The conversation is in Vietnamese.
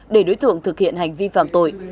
để đối tượng thực hiện hành vi phạm tội